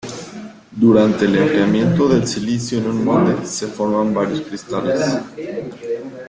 Durante el enfriamiento del silicio en un molde, se forman varios cristales.